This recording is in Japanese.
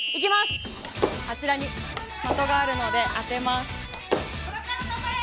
あちらに的があるので当てます。